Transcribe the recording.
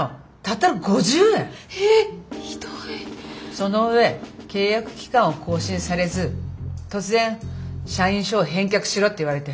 その上契約期間を更新されず突然社員証を返却しろって言われて。